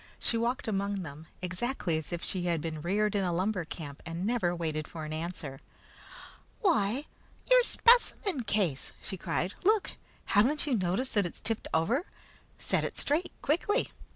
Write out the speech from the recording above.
She walked among them, exactly as if she had been reared in a lumber camp, and never waited for an answer. "Why, your specimen case!" she cried. "Look! Haven't you noticed that it's tipped over? Set it straight, quickly!"